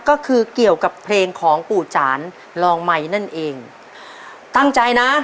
ก็คือเกี่ยวกับเพลงของปู่จานรองใหม่นั่นเองตั้งใจนะ